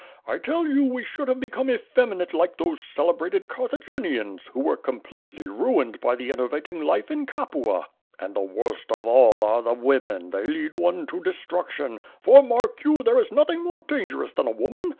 I tell you, we should have become effeminate like those celebrated Carthaginians, who were completely ruined by the enervating life in Capua. And the worst of all are the women, they lead one to destruction; for, mark you, there is nothing more dangerous than a woman.